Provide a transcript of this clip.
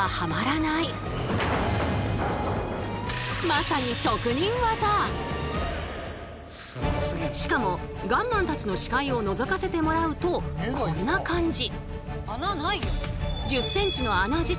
まさにしかもガンマンたちの視界をのぞかせてもらうとこんな感じ。